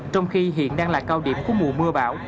trong khi hiện đang là cao điểm của mùa mưa bão